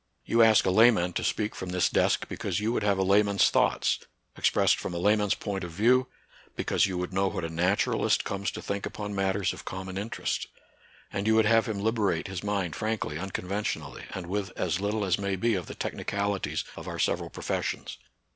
You ask a layman to speak from this desk because you would have a layman's thoughts, expressed from a layman's point of view ; because you would know what a naturalist comes to think upon matters of common interest. And you would have him liberate his mind frankly, unconventionally, and with as little as may be of the technicalities of our several professions.